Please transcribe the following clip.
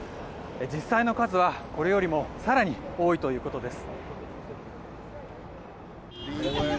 実際の数はこれよりも更に多いということです。